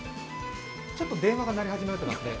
ちょっと電話が鳴り始めましたね。